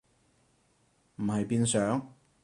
唔係變上？